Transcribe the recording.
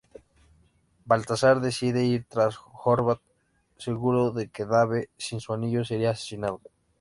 Balthazar decide ir tras Horvath, seguro de que Dave, sin su anillo, sería asesinado.